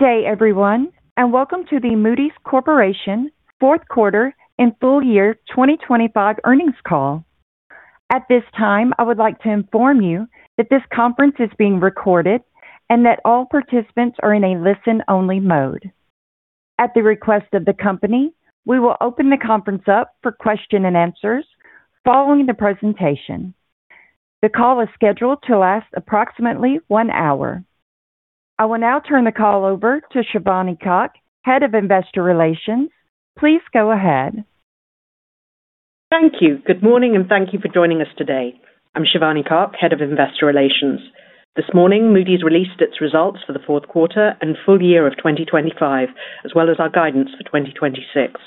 Good day, everyone, and welcome to the Moody's Corporation Fourth Quarter and Full Year 2025 earnings call. At this time, I would like to inform you that this conference is being recorded and that all participants are in a listen-only mode. At the request of the company, we will open the conference up for question and answers following the presentation. The call is scheduled to last approximately one hour. I will now turn the call over to Shivani Kak, Head of Investor Relations. Please go ahead. Thank you. Good morning, and thank you for joining us today. I'm Shivani Kak, Head of Investor Relations. This morning, Moody's released its results for the fourth quarter and full year of 2025, as well as our guidance for 2026.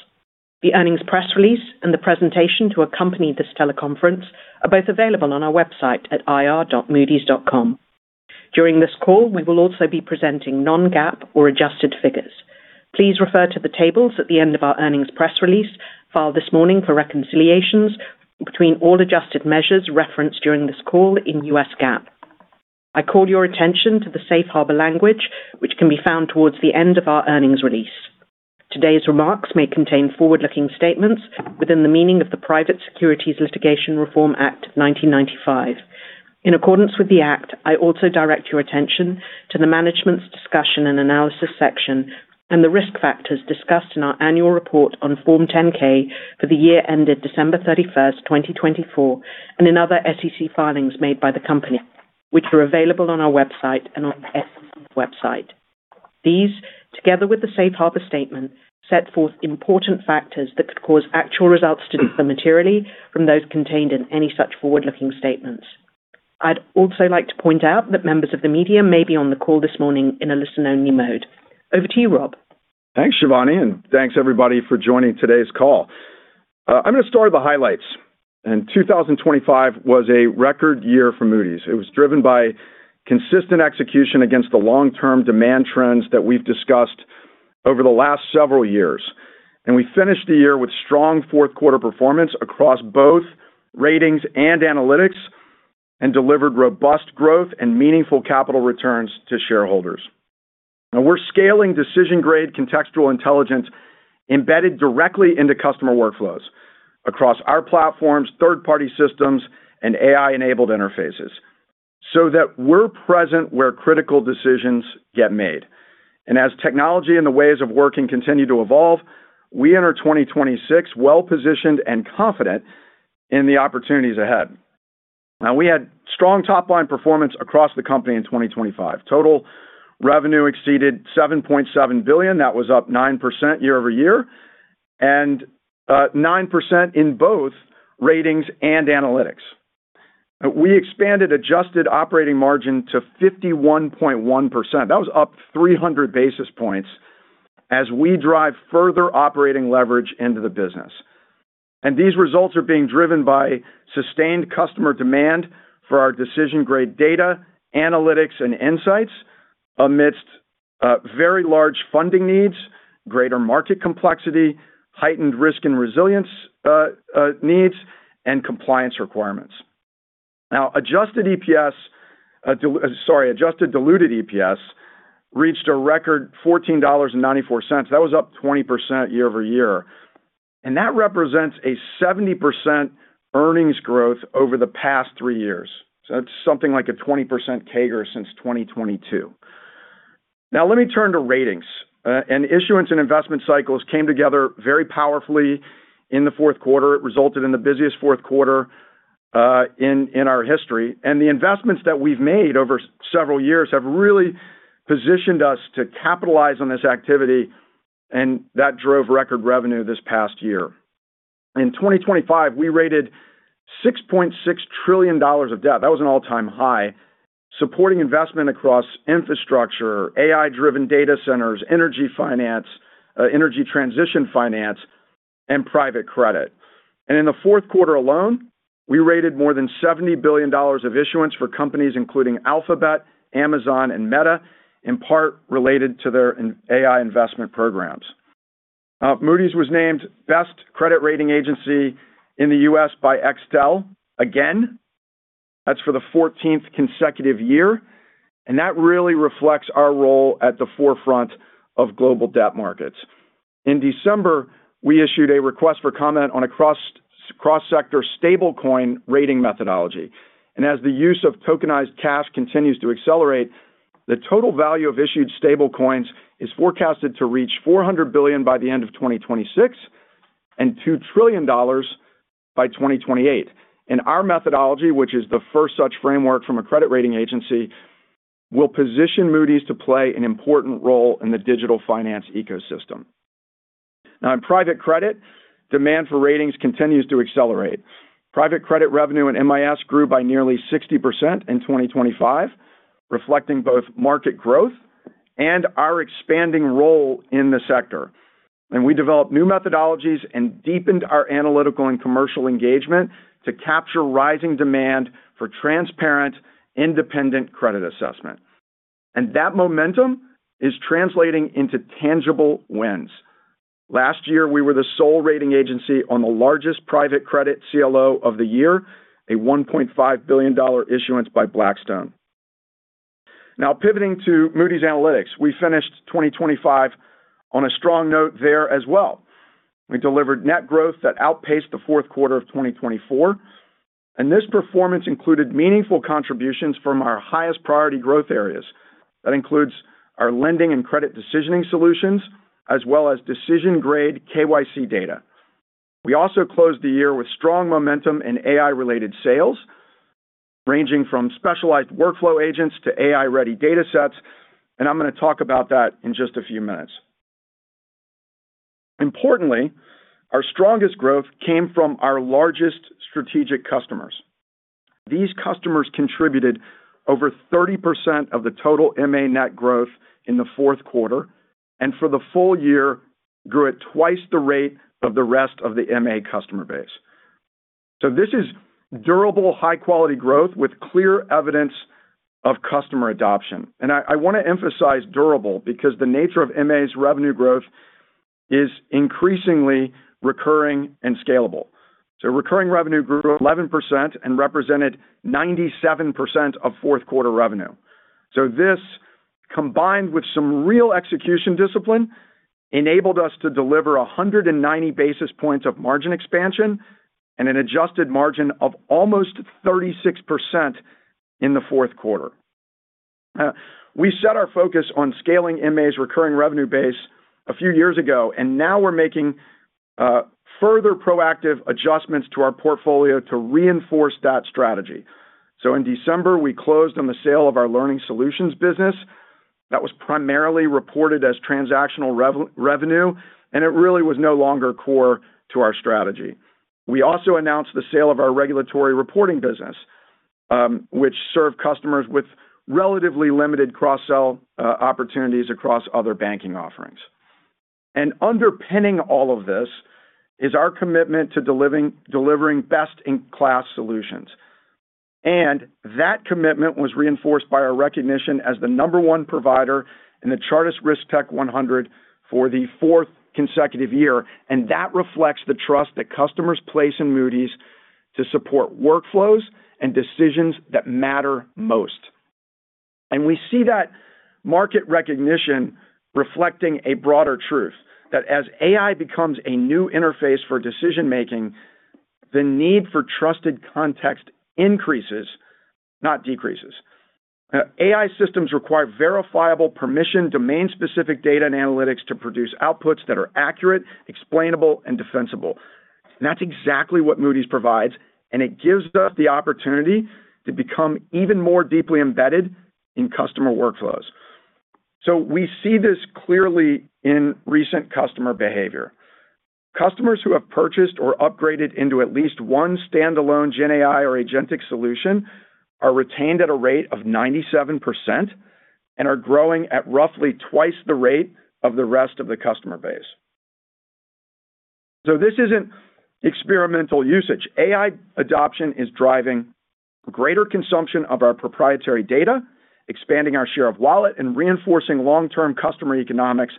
The earnings press release and the presentation to accompany this teleconference are both available on our website at ir.moodys.com. During this call, we will also be presenting non-GAAP or adjusted figures. Please refer to the tables at the end of our earnings press release, filed this morning for reconciliations between all adjusted measures referenced during this call in U.S. GAAP. I call your attention to the Safe Harbor language, which can be found towards the end of our earnings release. Today's remarks may contain forward-looking statements within the meaning of the Private Securities Litigation Reform Act of 1995. In accordance with the Act, I also direct your attention to the management's discussion and analysis section, and the risk factors discussed in our annual report on Form 10-K for the year ended December 31, 2024, and in other SEC filings made by the company, which are available on our website and on the SEC's website. These, together with the Safe Harbor statement, set forth important factors that could cause actual results to differ materially from those contained in any such forward-looking statements. I'd also like to point out that members of the media may be on the call this morning in a listen-only mode. Over to you, Rob. Thanks, Shivani, and thanks everybody for joining today's call. I'm gonna start with the highlights, and 2025 was a record year for Moody's. It was driven by consistent execution against the long-term demand trends that we've discussed over the last several years, and we finished the year with strong fourth quarter performance across both ratings and analytics, and delivered robust growth and meaningful capital returns to shareholders. Now we're scaling decision-grade contextual intelligence embedded directly into customer workflows across our platforms, third-party systems, and AI-enabled interfaces, so that we're present where critical decisions get made. And as technology and the ways of working continue to evolve, we enter 2026 well-positioned and confident in the opportunities ahead. Now, we had strong top-line performance across the company in 2025. Total revenue exceeded $7.7 billion. That was up 9% year-over-year and 9% in both ratings and analytics. We expanded adjusted operating margin to 51.1%. That was up 300 basis points as we drive further operating leverage into the business. And these results are being driven by sustained customer demand for our decision-grade data, analytics, and insights, amidst very large funding needs, greater market complexity, heightened risk and resilience needs, and compliance requirements. Now, adjusted diluted EPS reached a record $14.94. That was up 20% year-over-year, and that represents a 70% earnings growth over the past three years. So that's something like a 20% CAGR since 2022. Now let me turn to ratings. Issuance and investment cycles came together very powerfully in the fourth quarter. It resulted in the busiest fourth quarter in our history, and the investments that we've made over several years have really positioned us to capitalize on this activity, and that drove record revenue this past year. In 2025, we rated $6.6 trillion of debt. That was an all-time high, supporting investment across infrastructure, AI-driven data centers, energy finance, energy transition finance, and private credit. And in the fourth quarter alone, we rated more than $70 billion of issuance for companies including Alphabet, Amazon, and Meta, in part related to their AI investment programs. Moody's was named Best Credit Rating Agency in the U.S. by Extel again. That's for the 14th consecutive year, and that really reflects our role at the forefront of global debt markets. In December, we issued a request for comment on a cross-sector Stablecoin Rating Methodology, and as the use of tokenized cash continues to accelerate, the total value of issued stablecoins is forecasted to reach $400 billion by the end of 2026 and $2 trillion by 2028. Our methodology, which is the first such framework from a credit rating agency, will position Moody's to play an important role in the digital finance ecosystem. Now, in private credit, demand for ratings continues to accelerate. Private credit revenue in MIS grew by nearly 60% in 2025, reflecting both market growth and our expanding role in the sector. That momentum is translating into tangible wins. Last year, we were the sole rating agency on the largest private credit CLO of the year, a $1.5 billion issuance by Blackstone. Now pivoting to Moody's Analytics. We finished 2025 on a strong note there as well. We delivered net growth that outpaced the fourth quarter of 2024, and this performance included meaningful contributions from our highest priority growth areas. That includes our lending and credit decisioning solutions, as well as decision-grade KYC data. We also closed the year with strong momentum in AI-related sales, ranging from specialized workflow agents to AI-ready datasets, and I'm going to talk about that in just a few minutes. Importantly, our strongest growth came from our largest strategic customers. These customers contributed over 30% of the total MA net growth in the fourth quarter, and for the full year, grew at twice the rate of the rest of the MA customer base. So this is durable, high-quality growth with clear evidence of customer adoption. And I, I want to emphasize durable, because the nature of MA's revenue growth is increasingly recurring and scalable. So recurring revenue grew 11% and represented 97% of fourth quarter revenue. So this, combined with some real execution discipline, enabled us to deliver 190 basis points of margin expansion and an adjusted margin of almost 36% in the fourth quarter. We set our focus on scaling MA's recurring revenue base a few years ago, and now we're making, further proactive adjustments to our portfolio to reinforce that strategy. So in December, we closed on the sale of our learning solutions business. That was primarily reported as transactional revenue, and it really was no longer core to our strategy. We also announced the sale of our regulatory reporting business, which served customers with relatively limited cross-sell opportunities across other banking offerings. Underpinning all of this is our commitment to delivering best-in-class solutions. That commitment was reinforced by our recognition as the number one provider in the Chartis RiskTech100 for the fourth consecutive year, and that reflects the trust that customers place in Moody's to support workflows and decisions that matter most. We see that market recognition reflecting a broader truth, that as AI becomes a new interface for decision-making, the need for trusted context increases, not decreases. AI systems require verifiable permission, domain-specific data and analytics to produce outputs that are accurate, explainable and defensible. And that's exactly what Moody's provides, and it gives us the opportunity to become even more deeply embedded in customer workflows. So we see this clearly in recent customer behavior. Customers who have purchased or upgraded into at least one standalone GenAI or agentic solution are retained at a rate of 97% and are growing at roughly twice the rate of the rest of the customer base. So this isn't experimental usage. AI adoption is driving greater consumption of our proprietary data, expanding our share of wallet, and reinforcing long-term customer economics,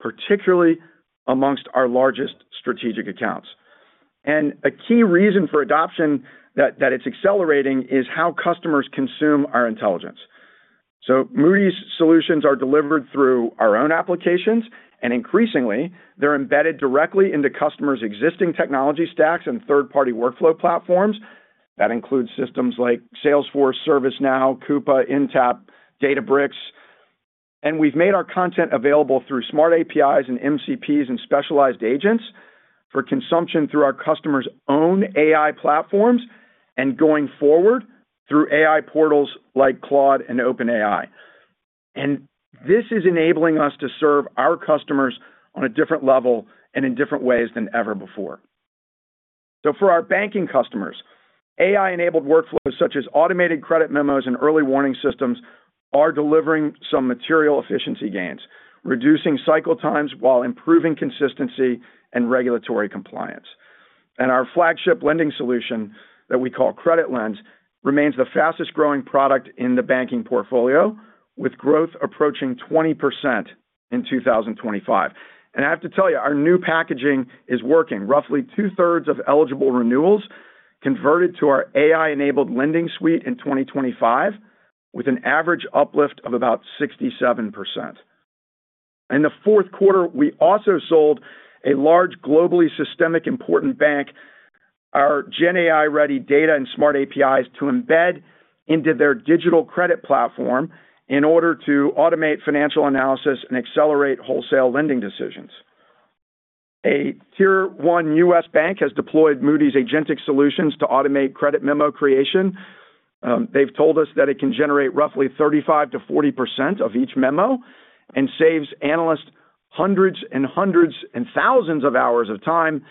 particularly among our largest strategic accounts. And a key reason for adoption that, that it's accelerating, is how customers consume our intelligence. Moody's solutions are delivered through our own applications, and increasingly, they're embedded directly into customers' existing technology stacks and third-party workflow platforms. That includes systems like Salesforce, ServiceNow, Coupa, Intapp, Databricks, and we've made our content available through smart APIs and MCPs and specialized agents for consumption through our customers' own AI platforms, and going forward, through AI portals like Claude and OpenAI. This is enabling us to serve our customers on a different level and in different ways than ever before. For our banking customers, AI-enabled workflows, such as automated credit memos and early warning systems, are delivering some material efficiency gains, reducing cycle times while improving consistency and regulatory compliance. Our flagship lending solution, that we call CreditLens, remains the fastest-growing product in the banking portfolio, with growth approaching 20% in 2025. I have to tell you, our new packaging is working. Roughly 2/3 of eligible renewals converted to our AI-enabled Lending Suite in 2025, with an average uplift of about 67%. In the fourth quarter, we also sold a large, globally systemically important bank, our GenAI-ready data and Smart APIs to embed into their digital credit platform in order to automate financial analysis and accelerate wholesale lending decisions. A Tier 1 U.S. bank has deployed Moody's agentic solutions to automate credit memo creation. They've told us that it can generate roughly 35%-40% of each memo and saves analysts hundreds and hundreds and thousands of hours of time,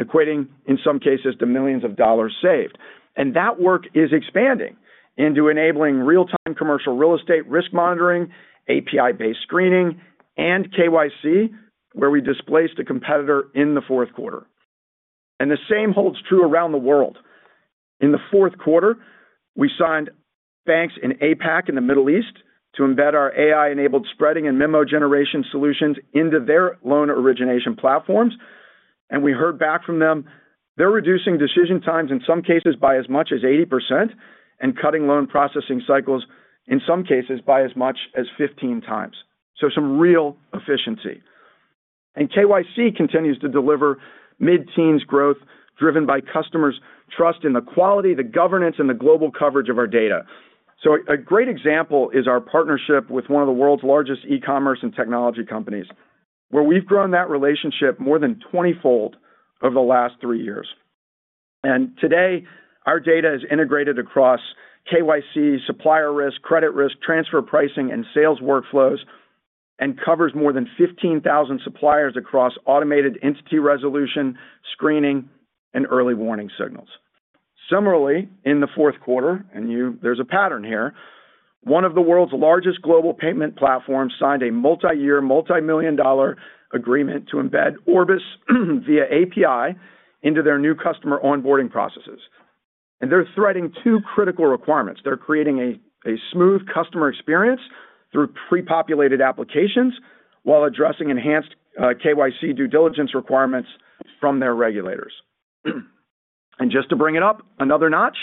equating, in some cases, to millions of dollars saved. And that work is expanding into enabling real-time commercial real estate risk monitoring, API-based screening, and KYC, where we displaced a competitor in the fourth quarter. The same holds true around the world. In the fourth quarter, we signed banks in APAC and the Middle East to embed our AI-enabled spreading and memo generation solutions into their loan origination platforms, and we heard back from them. They're reducing decision times, in some cases, by as much as 80%, and cutting loan processing cycles, in some cases, by as much as 15x. Some real efficiency. KYC continues to deliver mid-teens growth, driven by customers' trust in the quality, the governance, and the global coverage of our data. A great example is our partnership with one of the world's largest e-commerce and technology companies, where we've grown that relationship more than 20-fold over the last three years. Today, our data is integrated across KYC, supplier risk, credit risk, transfer pricing, and sales workflows, and covers more than 15,000 suppliers across automated entity resolution, screening, and early warning signals. Similarly, in the fourth quarter, you know, there's a pattern here, one of the world's largest global payment platforms signed a multiyear, multimillion-dollar agreement to embed Orbis, via API, into their new customer onboarding processes. They're threading two critical requirements. They're creating a smooth customer experience through pre-populated applications while addressing enhanced KYC due diligence requirements from their regulators. Just to bring it up another notch,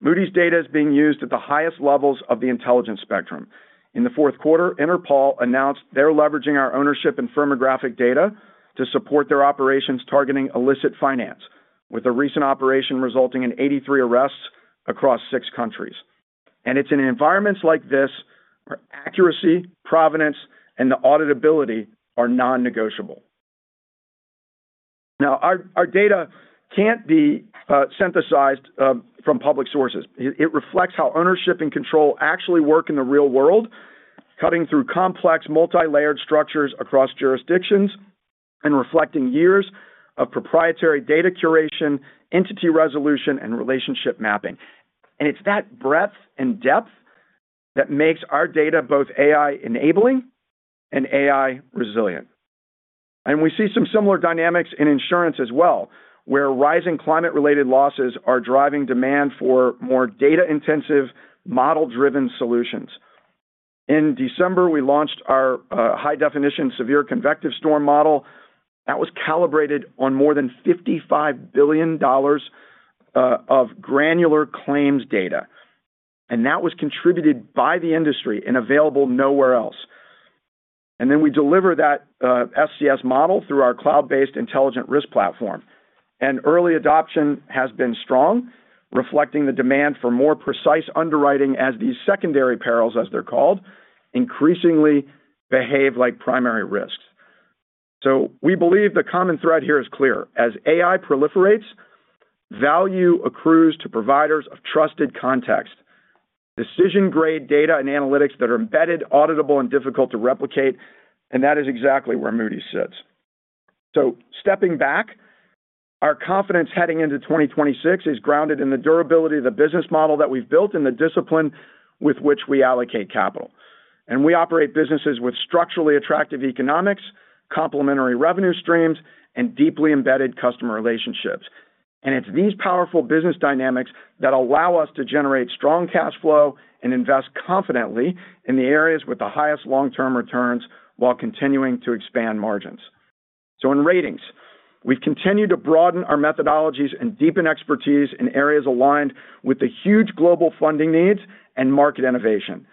Moody's data is being used at the highest levels of the intelligence spectrum. In the fourth quarter, Interpol announced they're leveraging our ownership and firmographic data to support their operations targeting illicit finance, with a recent operation resulting in 83 arrests across six countries. It's in environments like this, where accuracy, provenance, and auditability are non-negotiable. Now, our data can't be synthesized from public sources. It reflects how ownership and control actually work in the real world, cutting through complex, multilayered structures across jurisdictions and reflecting years of proprietary data curation, entity resolution, and relationship mapping. And it's that breadth and depth that makes our data both AI-enabling and AI-resilient. And we see some similar dynamics in insurance as well, where rising climate-related losses are driving demand for more data-intensive, model-driven solutions. In December, we launched our high-definition severe convective storm model. That was calibrated on more than $55 billion of granular claims data, and that was contributed by the industry and available nowhere else. And then we deliver that SCS model through our cloud-based Intelligent Risk Platform. Early adoption has been strong, reflecting the demand for more precise underwriting as these secondary perils, as they're called, increasingly behave like primary risks. So we believe the common thread here is clear. As AI proliferates, value accrues to providers of trusted context, decision-grade data and analytics that are embedded, auditable, and difficult to replicate, and that is exactly where Moody's sits. Stepping back, our confidence heading into 2026 is grounded in the durability of the business model that we've built and the discipline with which we allocate capital. We operate businesses with structurally attractive economics, complementary revenue streams, and deeply embedded customer relationships. It's these powerful business dynamics that allow us to generate strong cash flow and invest confidently in the areas with the highest long-term returns while continuing to expand margins. In ratings, we've continued to broaden our methodologies and deepen expertise in areas aligned with the huge global funding needs and market innovation.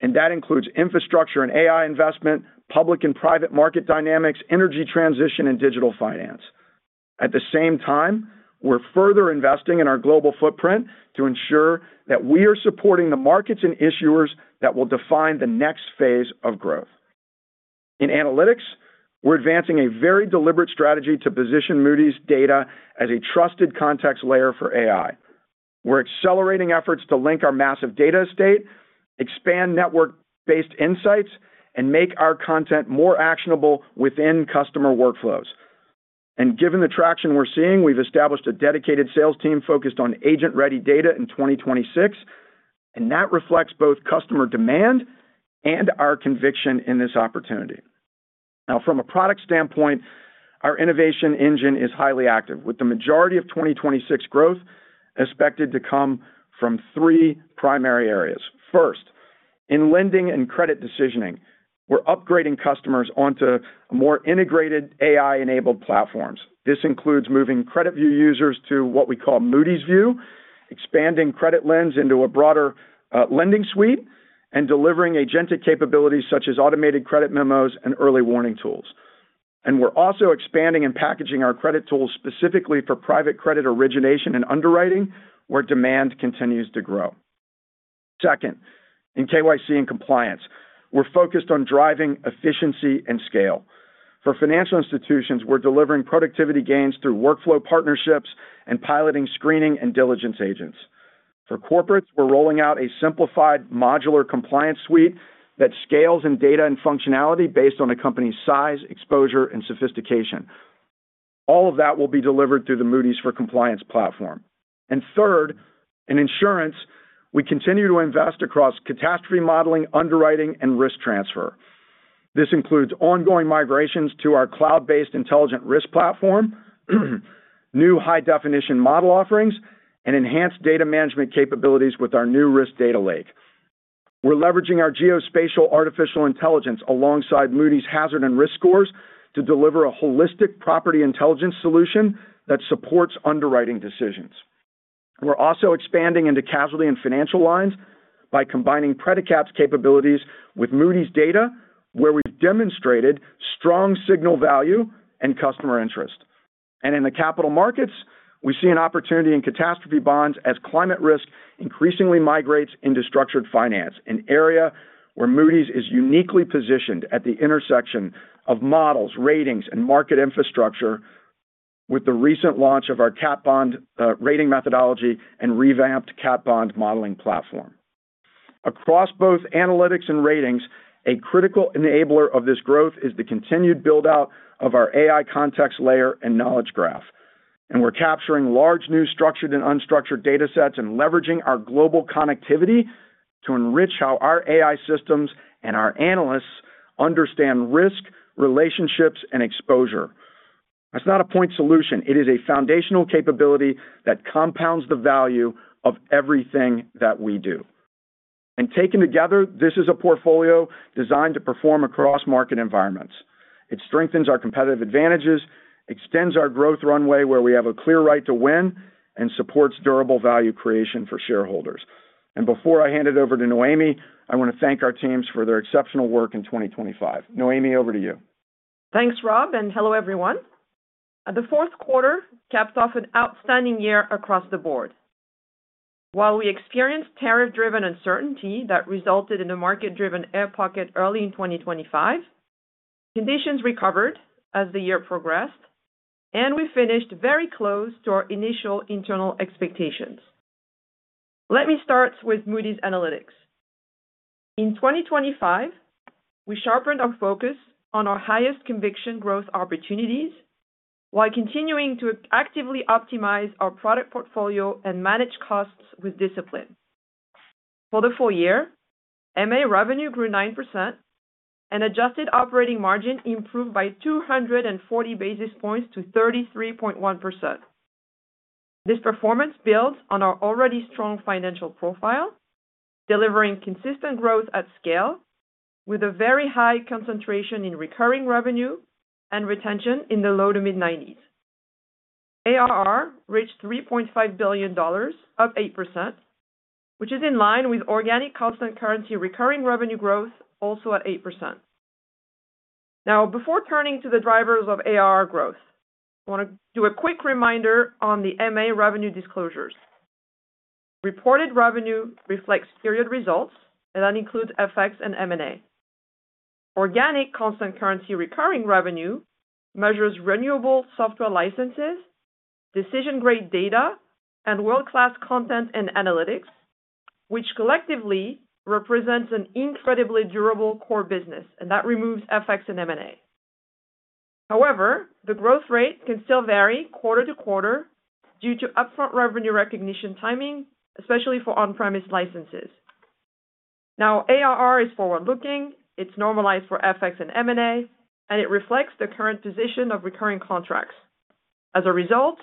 That includes infrastructure and AI investment, public and private market dynamics, energy transition, and digital finance. At the same time, we're further investing in our global footprint to ensure that we are supporting the markets and issuers that will define the next phase of growth. In analytics, we're advancing a very deliberate strategy to position Moody's data as a trusted context layer for AI. We're accelerating efforts to link our massive data estate, expand network-based insights, and make our content more actionable within customer workflows. Given the traction we're seeing, we've established a dedicated sales team focused on agent-ready data in 2026, and that reflects both customer demand and our conviction in this opportunity. Now, from a product standpoint, our innovation engine is highly active, with the majority of 2026 growth expected to come from three primary areas. First, in lending and credit decisioning, we're upgrading customers onto more integrated AI-enabled platforms. This includes moving CreditView users to what we call Moody's View, expanding CreditLens into a broader lending suite, and delivering agentic capabilities, such as automated credit memos and early warning tools. And we're also expanding and packaging our credit tools specifically for private credit origination and underwriting, where demand continues to grow. Second, in KYC and compliance, we're focused on driving efficiency and scale. For financial institutions, we're delivering productivity gains through workflow partnerships and piloting screening and diligence agents. For corporates, we're rolling out a simplified modular compliance suite that scales in data and functionality based on a company's size, exposure, and sophistication. All of that will be delivered through the Moody's for Compliance platform. And third, in insurance, we continue to invest across catastrophe modeling, underwriting, and risk transfer... This includes ongoing migrations to our cloud-based Intelligent Risk Platform, new high-definition model offerings, and enhanced data management capabilities with our new Risk Data Lake. We're leveraging our geospatial artificial intelligence alongside Moody's hazard and risk scores to deliver a holistic property intelligence solution that supports underwriting decisions. We're also expanding into casualty and financial lines by combining Praedicat's capabilities with Moody's data, where we've demonstrated strong signal value and customer interest. In the capital markets, we see an opportunity in catastrophe bonds as climate risk increasingly migrates into structured finance, an area where Moody's is uniquely positioned at the intersection of models, ratings, and market infrastructure, with the recent launch of our cat bond rating methodology and revamped cat bond modeling platform. Across both analytics and ratings, a critical enabler of this growth is the continued build-out of our AI context layer and knowledge graph. We're capturing large, new, structured, and unstructured data sets and leveraging our global connectivity to enrich how our AI systems and our analysts understand risk, relationships, and exposure. That's not a point solution. It is a foundational capability that compounds the value of everything that we do. Taken together, this is a portfolio designed to perform across market environments. It strengthens our competitive advantages, extends our growth runway, where we have a clear right to win, and supports durable value creation for shareholders. And before I hand it over to Noémie, I want to thank our teams for their exceptional work in 2025. Noémie, over to you. Thanks, Rob, and hello, everyone. The fourth quarter capped off an outstanding year across the board. While we experienced tariff-driven uncertainty that resulted in a market-driven air pocket early in 2025, conditions recovered as the year progressed, and we finished very close to our initial internal expectations. Let me start with Moody's Analytics. In 2025, we sharpened our focus on our highest conviction growth opportunities, while continuing to actively optimize our product portfolio and manage costs with discipline. For the full year, MA revenue grew 9%, and adjusted operating margin improved by 240 basis points to 33.1%. This performance builds on our already strong financial profile, delivering consistent growth at scale, with a very high concentration in recurring revenue and retention in the low to mid-90s. ARR reached $3.5 billion, up 8%, which is in line with organic constant currency recurring revenue growth, also at 8%. Now, before turning to the drivers of ARR growth, I want to do a quick reminder on the MA revenue disclosures. Reported revenue reflects period results, and that includes FX and M&A. Organic constant currency recurring revenue measures renewable software licenses, decision-grade data, and world-class content and analytics, which collectively represents an incredibly durable core business, and that removes FX and M&A. However, the growth rate can still vary quarter to quarter due to upfront revenue recognition timing, especially for on-premise licenses. Now, ARR is forward-looking, it's normalized for FX and M&A, and it reflects the current position of recurring contracts. As a result,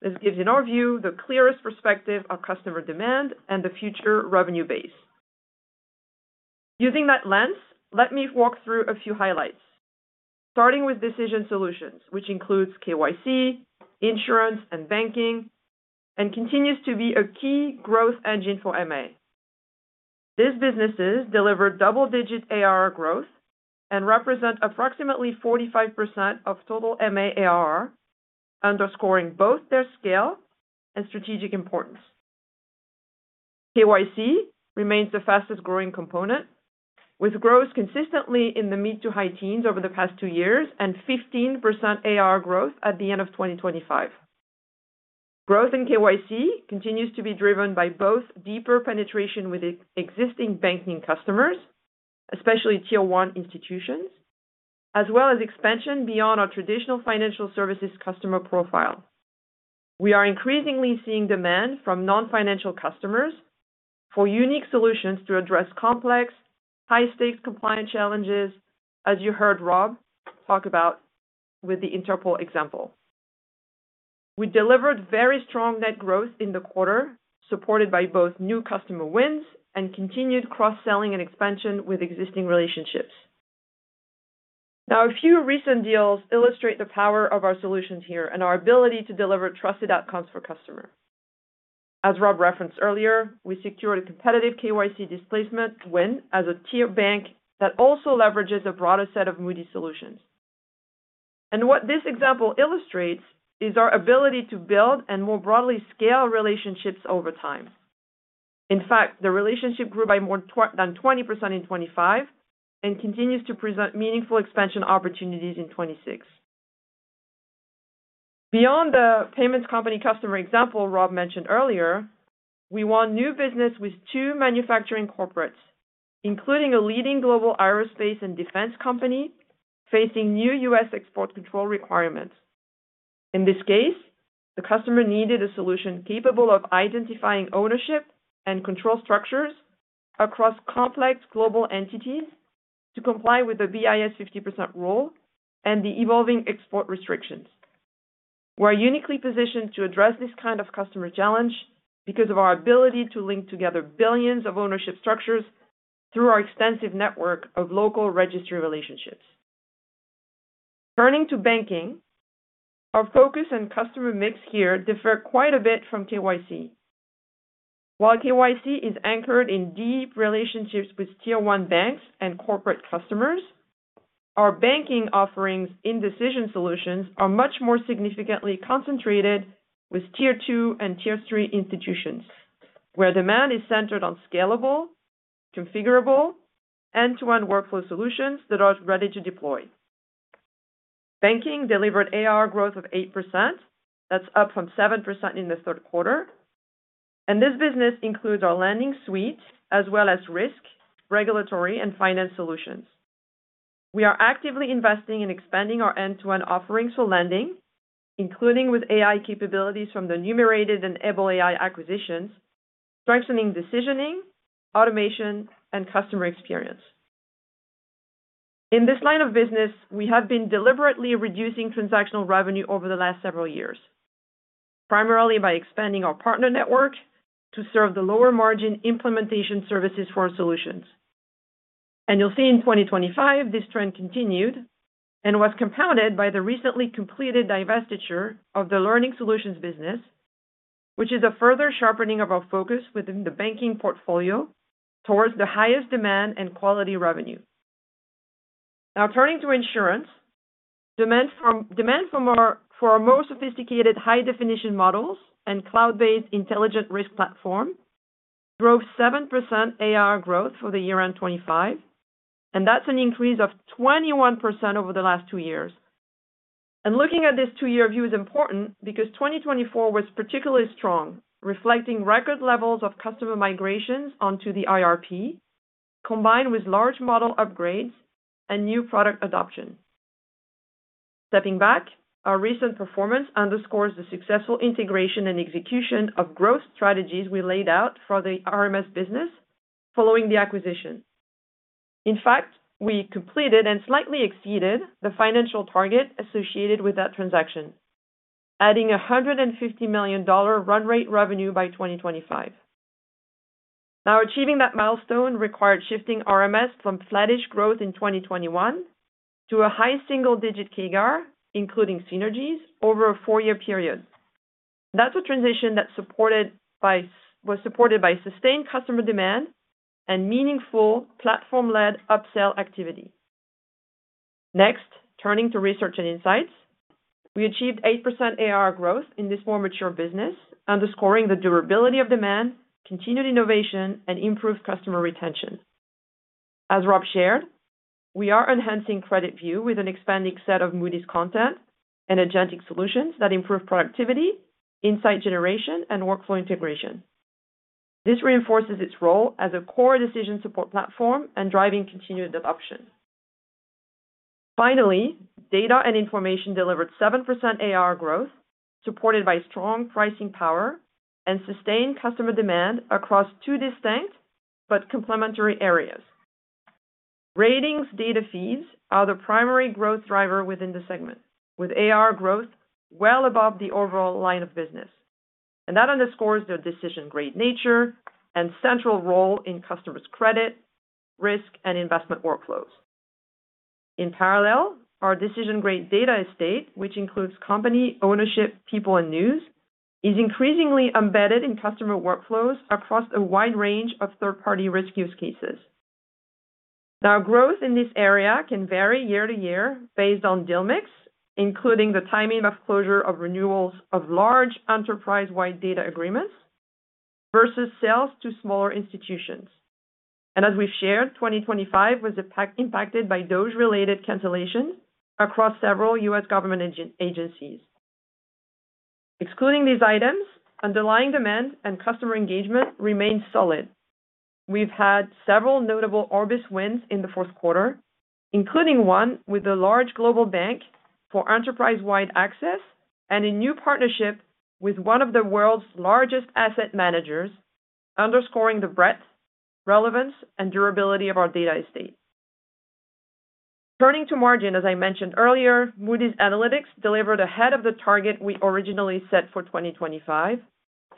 this gives, in our view, the clearest perspective of customer demand and the future revenue base. Using that lens, let me walk through a few highlights. Starting with Decision Solutions, which includes KYC, insurance, and banking, and continues to be a key growth engine for MA. These businesses delivered double-digit ARR growth and represent approximately 45% of total MA ARR, underscoring both their scale and strategic importance. KYC remains the fastest-growing component, with growth consistently in the mid- to high teens over the past two years, and 15% ARR growth at the end of 2025. Growth in KYC continues to be driven by both deeper penetration with existing banking customers, especially Tier 1 institutions, as well as expansion beyond our traditional financial services customer profile. We are increasingly seeing demand from non-financial customers for unique solutions to address complex, high-stakes compliance challenges, as you heard Rob talk about with the Interpol example. We delivered very strong net growth in the quarter, supported by both new customer wins and continued cross-selling and expansion with existing relationships. Now, a few recent deals illustrate the power of our solutions here and our ability to deliver trusted outcomes for customers. As Rob referenced earlier, we secured a competitive KYC displacement win as a tier bank that also leverages a broader set of Moody's solutions. And what this example illustrates is our ability to build and more broadly scale relationships over time. In fact, the relationship grew by more than 20% in 25 and continues to present meaningful expansion opportunities in 2026. Beyond the payments company customer example Rob mentioned earlier, we won new business with two manufacturing corporates, including a leading global aerospace and defense company facing new U.S. export control requirements. In this case, the customer needed a solution capable of identifying ownership and control structures across complex global entities to comply with the BIS Fifty Percent Rule and the evolving export restrictions. We're uniquely positioned to address this kind of customer challenge because of our ability to link together billions of ownership structures through our extensive network of local registry relationships. Turning to banking, our focus and customer mix here differ quite a bit from KYC. While KYC is anchored in deep relationships with Tier 1 banks and corporate customers, our banking offerings in decision solutions are much more significantly concentrated with Tier 2 and Tier 3 institutions, where demand is centered on scalable, configurable, end-to-end workflow solutions that are ready to deploy. Banking delivered AR growth of 8%. That's up from 7% in the third quarter, and this business includes our Lending Suite, as well as risk, regulatory, and finance solutions. We are actively investing in expanding our end-to-end offerings for lending, including with AI capabilities from the Numerated and Able AI acquisitions, strengthening decisioning, automation, and customer experience. In this line of business, we have been deliberately reducing transactional revenue over the last several years, primarily by expanding our partner network to serve the lower margin implementation services for our solutions. And you'll see in 2025, this trend continued and was compounded by the recently completed divestiture of the learning solutions business, which is a further sharpening of our focus within the banking portfolio towards the highest demand and quality revenue. Now turning to insurance, demand for our more sophisticated high-definition models and cloud-based Intelligent Risk Platform grew 7% ARR growth for the year-end 2025, and that's an increase of 21% over the last two years. Looking at this two-year view is important because 2024 was particularly strong, reflecting record levels of customer migrations onto the IRP, combined with large model upgrades and new product adoption. Stepping back, our recent performance underscores the successful integration and execution of growth strategies we laid out for the RMS business following the acquisition. In fact, we completed and slightly exceeded the financial target associated with that transaction, adding $150 million run-rate revenue by 2025. Now, achieving that milestone required shifting RMS from flattish growth in 2021 to a high single-digit CAGR, including synergies over a four-year period. That's a transition that's supported by sustained customer demand and meaningful platform-led upsell activity. Next, turning to Research and Insights. We achieved 8% AR growth in this more mature business, underscoring the durability of demand, continued innovation, and improved customer retention. As Rob shared, we are enhancing Credit View with an expanding set of Moody's content and agentic solutions that improve productivity, insight generation, and workflow integration. This reinforces its role as a core decision support platform and driving continued adoption. Finally, Data and Information delivered 7% AR growth, supported by strong pricing power and sustained customer demand across two distinct but complementary areas. Ratings data fees are the primary growth driver within the segment, with AR growth well above the overall line of business. That underscores their decision-grade nature and central role in customers' credit, risk, and investment workflows. In parallel, our decision-grade data estate, which includes company, ownership, people, and news, is increasingly embedded in customer workflows across a wide range of third-party risk use cases. Now, growth in this area can vary year to year based on deal mix, including the timing of closure of renewals of large enterprise-wide data agreements versus sales to smaller institutions. And as we've shared, 2025 was impacted by DOJ-related cancellations across several U.S. government agencies. Excluding these items, underlying demand and customer engagement remained solid. We've had several notable Orbis wins in the fourth quarter, including one with a large global bank for enterprise-wide access and a new partnership with one of the world's largest asset managers, underscoring the breadth, relevance, and durability of our data estate. Turning to margin, as I mentioned earlier, Moody's Analytics delivered ahead of the target we originally set for 2025,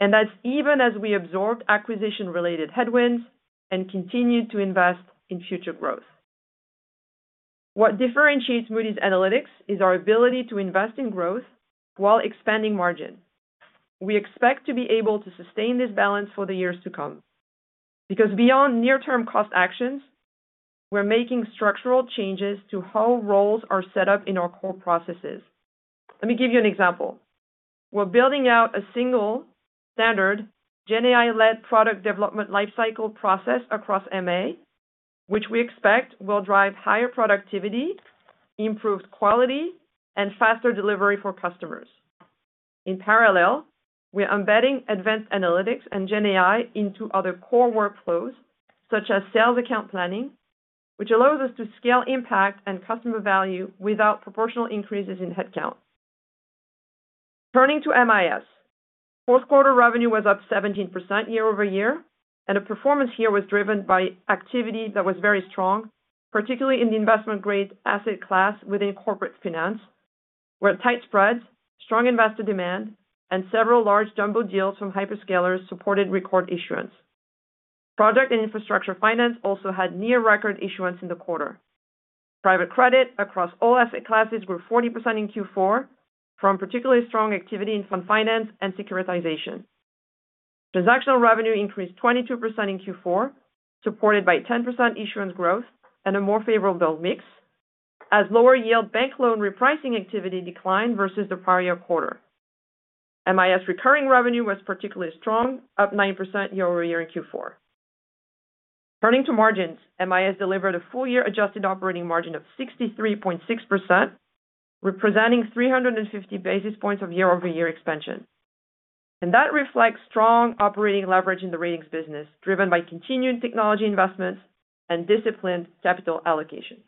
and that's even as we absorbed acquisition-related headwinds and continued to invest in future growth. What differentiates Moody's Analytics is our ability to invest in growth while expanding margin. We expect to be able to sustain this balance for the years to come, because beyond near-term cost actions, we're making structural changes to how roles are set up in our core processes. Let me give you an example. We're building out a single standard GenAI-led product development lifecycle process across MA, which we expect will drive higher productivity, improved quality, and faster delivery for customers. In parallel, we're embedding advanced analytics and GenAI into other core workflows, such as sales account planning, which allows us to scale impact and customer value without proportional increases in headcount. Turning to MIS. Fourth quarter revenue was up 17% year-over-year, and the performance here was driven by activity that was very strong, particularly in the investment-grade asset class within corporate finance, where tight spreads, strong investor demand, and several large jumbo deals from hyperscalers supported record issuance. Project and infrastructure finance also had near-record issuance in the quarter. Private credit across all asset classes were 40% in Q4, from particularly strong activity in fund finance and securitization. Transactional revenue increased 22% in Q4, supported by 10% issuance growth and a more favorable build mix, as lower yield bank loan repricing activity declined versus the prior year quarter. MIS recurring revenue was particularly strong, up 9% year-over-year in Q4. Turning to margins, MIS delivered a full year adjusted operating margin of 63.6%, representing 350 basis points of year-over-year expansion. That reflects strong operating leverage in the ratings business, driven by continued technology investments and disciplined capital allocation.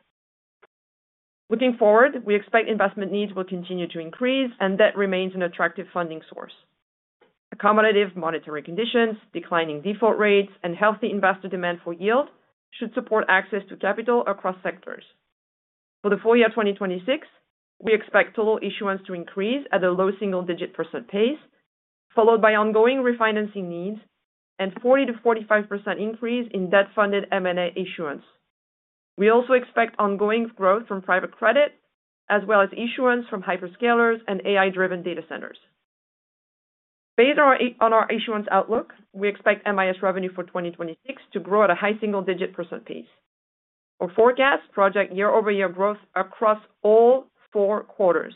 Looking forward, we expect investment needs will continue to increase, and debt remains an attractive funding source. Accommodative monetary conditions, declining default rates, and healthy investor demand for yield should support access to capital across sectors. For the full year 2026, we expect total issuance to increase at a low single-digit percent pace, followed by ongoing refinancing needs and a 40%-45% increase in debt-funded M&A issuance. We also expect ongoing growth from private credit, as well as issuance from hyperscalers and AI-driven data centers. Based on our issuance outlook, we expect MIS revenue for 2026 to grow at a high single-digit percent pace. Our forecast projects year-over-year growth across all four quarters,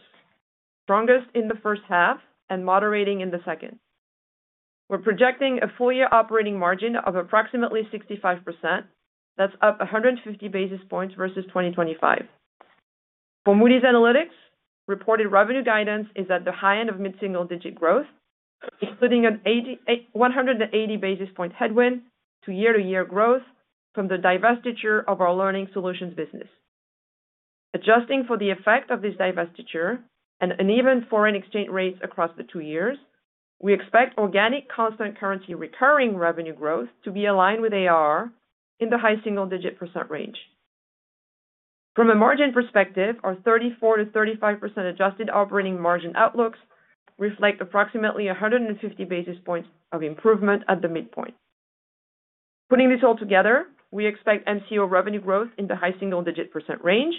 strongest in the first half and moderating in the second. We're projecting a full year operating margin of approximately 65%. That's up 150 basis points versus 2025. For Moody's Analytics, reported revenue guidance is at the high end of mid-single-digit growth, including a 180 basis point headwind to year-to-year growth from the divestiture of our learning solutions business. Adjusting for the effect of this divestiture and uneven foreign exchange rates across the two years, we expect organic constant currency recurring revenue growth to be aligned with AR in the high single-digit percent range. From a margin perspective, our 34%-35% adjusted operating margin outlooks reflect approximately 150 basis points of improvement at the midpoint. Putting this all together, we expect MCO revenue growth in the high single-digit percent range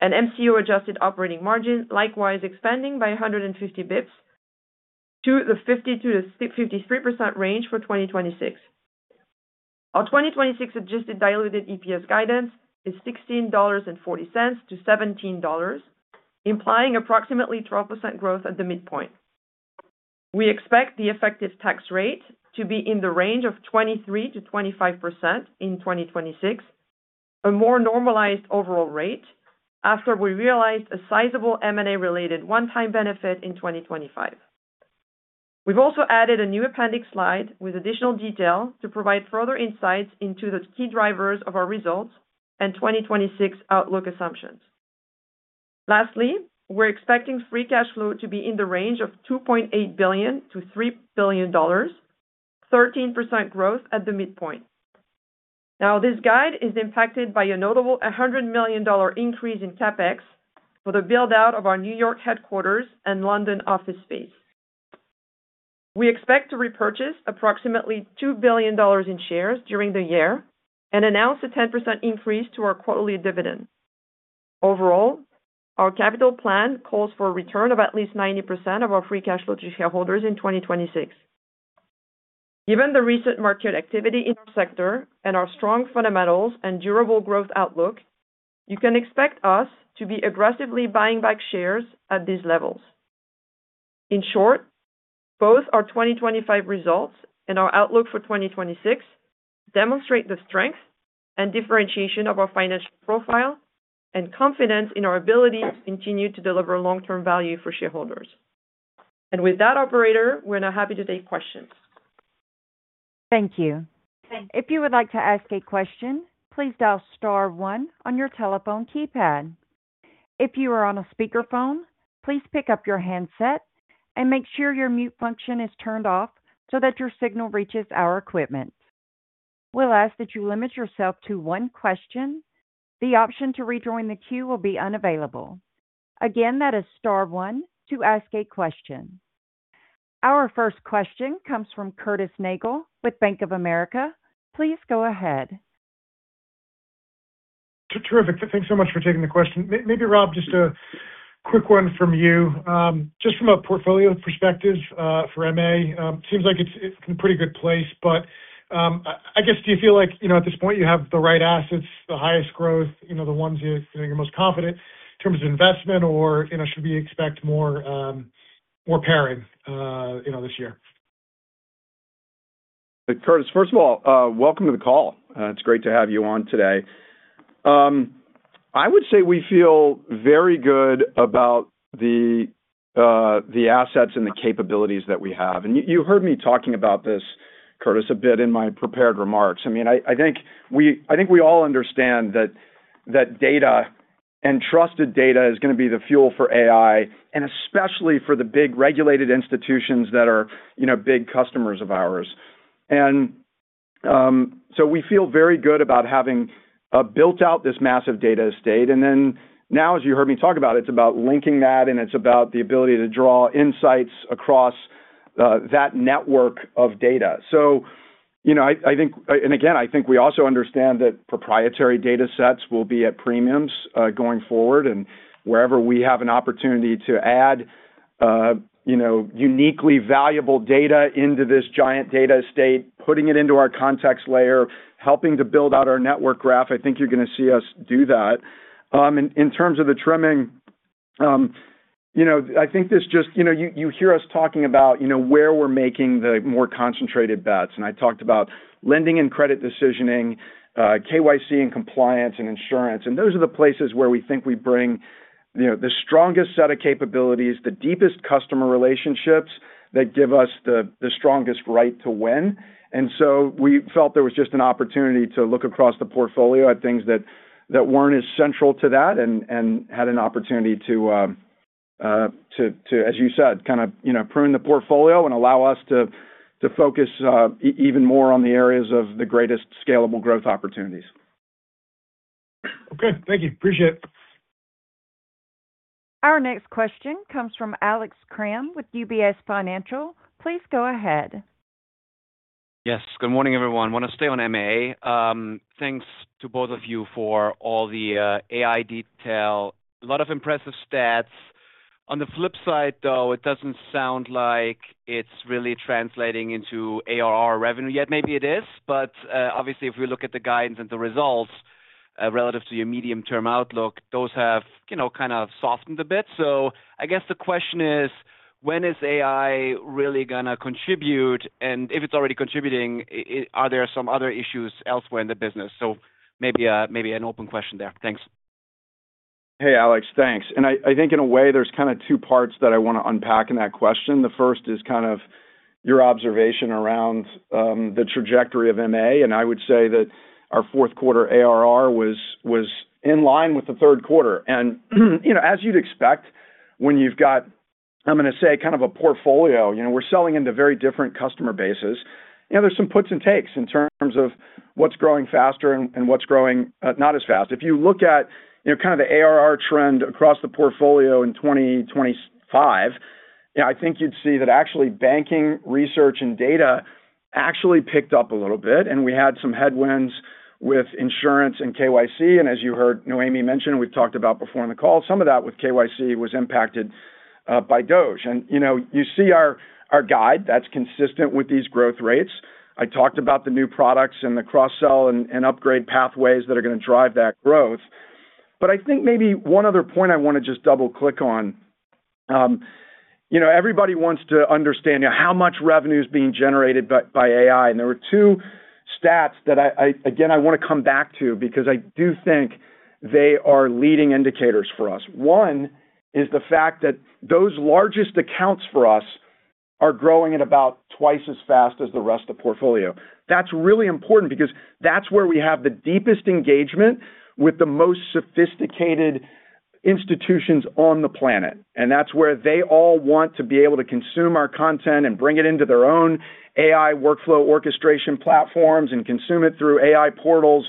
and MCO adjusted operating margin, likewise expanding by 150 basis points to the 50%-53% range for 2026. Our 2026 adjusted diluted EPS guidance is $16.40-$17.00, implying approximately 12% growth at the midpoint. We expect the effective tax rate to be in the range of 23%-25% in 2026, a more normalized overall rate after we realized a sizable M&A-related one-time benefit in 2025. We've also added a new appendix slide with additional detail to provide further insights into the key drivers of our results and 2026 outlook assumptions. Lastly, we're expecting free cash flow to be in the range of $2.8 billion-$3 billion, 13% growth at the midpoint. Now, this guide is impacted by a notable $100 million increase in CapEx for the build-out of our New York headquarters and London office space. We expect to repurchase approximately $2 billion in shares during the year and announce a 10% increase to our quarterly dividend. Overall, our capital plan calls for a return of at least 90% of our free cash flow to shareholders in 2026. Given the recent market activity in our sector and our strong fundamentals and durable growth outlook, you can expect us to be aggressively buying back shares at these levels. In short, both our 2025 results and our outlook for 2026 demonstrate the strength and differentiation of our financial profile and confidence in our ability to continue to deliver long-term value for shareholders. And with that, operator, we're now happy to take questions. Thank you. If you would like to ask a question, please dial star one on your telephone keypad. If you are on a speakerphone, please pick up your handset and make sure your mute function is turned off so that your signal reaches our equipment. We'll ask that you limit yourself to one question. The option to rejoin the queue will be unavailable. Again, that is star one to ask a question. Our first question comes from Curtis Nagle with Bank of America. Please go ahead. Terrific. Thanks so much for taking the question. Maybe, Rob, just a quick one from you. Just from a portfolio perspective for MA, seems like it's in a pretty good place, but I guess, do you feel like, you know, at this point, you have the right assets, the highest growth, you know, the ones you think are most confident in terms of investment, or, you know, should we expect more, you know, more pairing this year? Curtis, first of all, welcome to the call. It's great to have you on today. I would say we feel very good about the assets and the capabilities that we have. And you heard me talking about this, Curtis, a bit in my prepared remarks. I mean, I think we all understand that data and trusted data is gonna be the fuel for AI, and especially for the big regulated institutions that are, you know, big customers of ours. And so we feel very good about having built out this massive data estate. And then now, as you heard me talk about, it's about linking that, and it's about the ability to draw insights across that network of data. So, you know, I think—and again, I think we also understand that proprietary datasets will be at premiums, going forward, and wherever we have an opportunity to add, you know, uniquely valuable data into this giant data estate, putting it into our context layer, helping to build out our network graph, I think you're gonna see us do that. In terms of the trimming, you know, I think this just, you know, you hear us talking about, you know, where we're making the more concentrated bets, and I talked about lending and credit decisioning, KYC and compliance and insurance, and those are the places where we think we bring, you know, the strongest set of capabilities, the deepest customer relationships that give us the strongest right to win. And so we felt there was just an opportunity to look across the portfolio at things that weren't as central to that and had an opportunity to, as you said, kind of, you know, prune the portfolio and allow us to focus even more on the areas of the greatest scalable growth opportunities. Okay, thank you. Appreciate it. Our next question comes from Alex Kramm with UBS Financial. Please go ahead. Yes, good morning, everyone. I wanna stay on MA. Thanks to both of you for all the AI detail. A lot of impressive stats. On the flip side, though, it doesn't sound like it's really translating into ARR revenue yet. Maybe it is, but obviously, if we look at the guidance and the results relative to your medium-term outlook, those have, you know, kind of softened a bit. So I guess the question is: when is AI really gonna contribute? And if it's already contributing, are there some other issues elsewhere in the business? So maybe, maybe an open question there. Thanks. Hey, Alex. Thanks. And I think in a way there's kind of two parts that I wanna unpack in that question. The first is kind of your observation around the trajectory of MA, and I would say that our fourth quarter ARR was in line with the third quarter. And, you know, as you'd expect, when you've got, I'm gonna say, kind of a portfolio, you know, we're selling into very different customer bases. You know, there's some puts and takes in terms of what's growing faster and what's growing not as fast. If you look at, you know, kind of the ARR trend across the portfolio in 2025, yeah, I think you'd see that actually banking, research, and data actually picked up a little bit, and we had some headwinds with insurance and KYC. As you heard Noémie mention, and we've talked about before in the call, some of that with KYC was impacted by DOJ. You know, you see our guide; that's consistent with these growth rates. I talked about the new products and the cross-sell and upgrade pathways that are gonna drive that growth. But I think maybe one other point I wanna just double-click on. You know, everybody wants to understand how much revenue is being generated by AI. And there are two stats that I again wanna come back to because I do think they are leading indicators for us. One is the fact that those largest accounts for us are growing at about twice as fast as the rest of the portfolio. That's really important because that's where we have the deepest engagement with the most sophisticated institutions on the planet. And that's where they all want to be able to consume our content and bring it into their own AI workflow orchestration platforms and consume it through AI portals.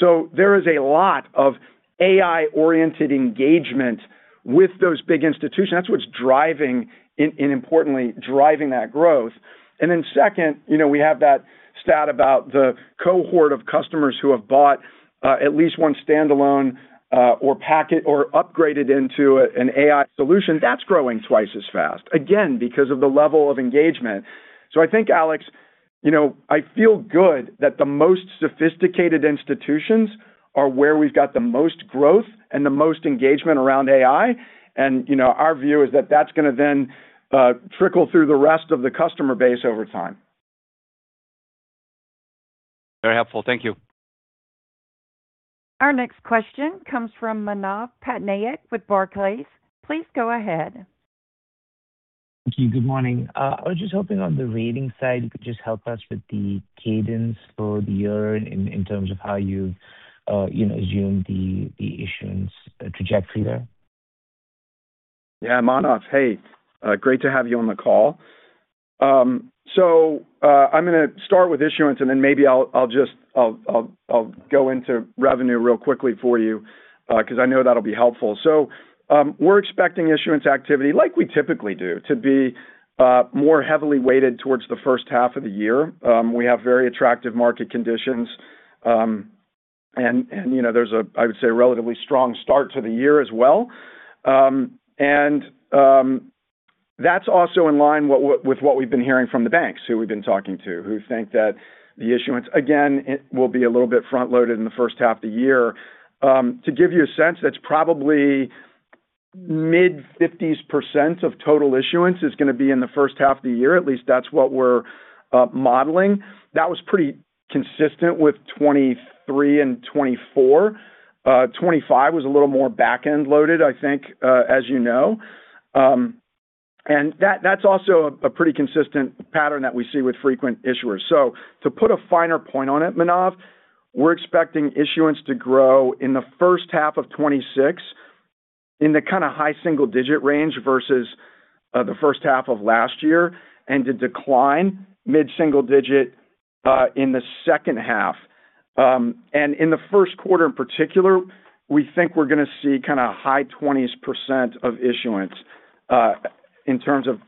So there is a lot of AI-oriented engagement with those big institutions. That's what's driving and, and importantly, driving that growth. And then second, you know, we have that stat about the cohort of customers who have bought at least one standalone or packet or upgraded into an AI solution. That's growing twice as fast, again, because of the level of engagement. So I think, Alex, you know, I feel good that the most sophisticated institutions are where we've got the most growth and the most engagement around AI. You know, our view is that that's gonna then trickle through the rest of the customer base over time. Very helpful. Thank you. Our next question comes from Manav Patnaik with Barclays. Please go ahead. Thank you. Good morning. I was just hoping on the rating side, you could just help us with the cadence for the year in terms of how you, you know, assume the issuance trajectory there. Yeah, Manav, hey, great to have you on the call. So, I'm gonna start with issuance, and then maybe I'll just go into revenue real quickly for you, 'cause I know that'll be helpful. So, we're expecting issuance activity like we typically do, to be more heavily weighted towards the first half of the year. We have very attractive market conditions, and you know, there's a, I would say, a relatively strong start to the year as well. And that's also in line with what we've been hearing from the banks who we've been talking to, who think that the issuance, again, it will be a little bit front-loaded in the first half of the year. To give you a sense, that's probably mid-50% of total issuance is going to be in the first half of the year. At least that's what we're modeling. That was pretty consistent with 2023 and 2024. 2025 was a little more back-end loaded, I think, as you know. That's also a pretty consistent pattern that we see with frequent issuers. To put a finer point on it, Manav, we're expecting issuance to grow in the first half of 2026 in the kind of high single-digit range versus the first half of last year, and to decline mid-single digit in the second half. In the first quarter in particular, we think we're going to see kind of high twenties percent of issuance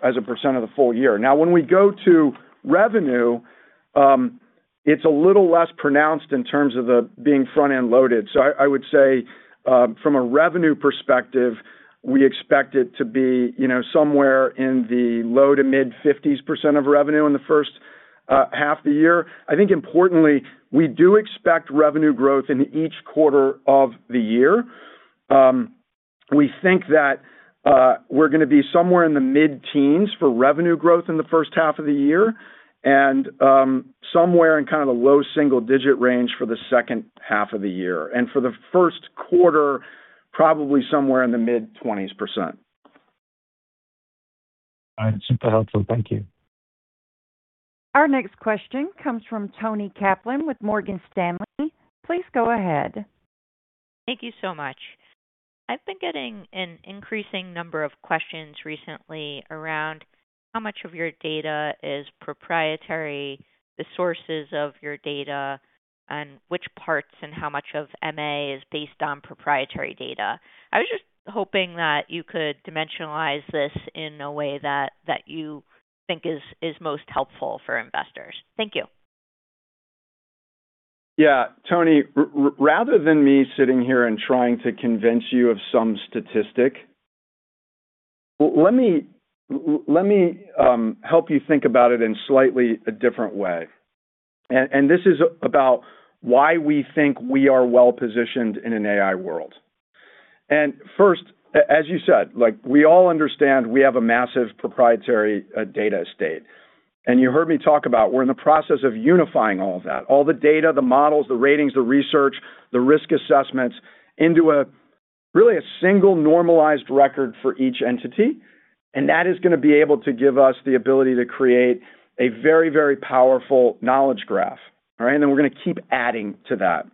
as a percent of the full year. Now, when we go to revenue, it's a little less pronounced in terms of the being front-end loaded. So I, I would say, from a revenue perspective, we expect it to be, you know, somewhere in the low- to mid-50% of revenue in the first half of the year. I think importantly, we do expect revenue growth in each quarter of the year. We think that, we're going to be somewhere in the mid-teens for revenue growth in the first half of the year and, somewhere in kind of the low single-digit range for the second half of the year. And for the first quarter, probably somewhere in the mid-20%. All right. Super helpful. Thank you. Our next question comes from Toni Kaplan with Morgan Stanley. Please go ahead. Thank you so much. I've been getting an increasing number of questions recently around how much of your data is proprietary, the sources of your data, and which parts and how much of MA is based on proprietary data. I was just hoping that you could dimensionalize this in a way that you think is most helpful for investors. Thank you. Yeah, Toni, rather than me sitting here and trying to convince you of some statistic, let me, let me, help you think about it in slightly a different way. And, and this is about why we think we are well-positioned in an AI world. And first, as you said, like, we all understand, we have a massive proprietary data estate. And you heard me talk about we're in the process of unifying all of that, all the data, the models, the ratings, the research, the risk assessments, into a really a single normalized record for each entity. And that is going to be able to give us the ability to create a very, very powerful Knowledge Graph. All right? And then we're going to keep adding to that.